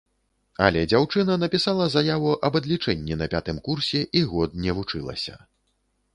Але дзяўчына напісала заяву аб адлічэнні на пятым курсе і год не вучылася.